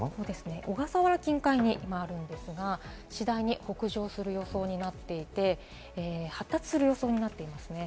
小笠原近海に今あるんですが、次第に北上する予想になっていて、発達する予想になっています。